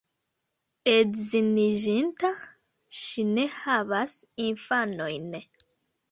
Edziniĝinta, ŝi ne havas infanojn.